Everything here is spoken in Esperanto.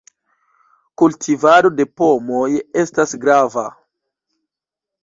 Kultivado de pomoj estas grava.